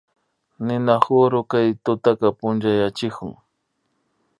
Ninakuru kay tutata punchayachikun